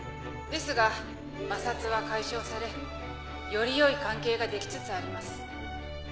ですが摩擦は解消されよりよい関係ができつつあります。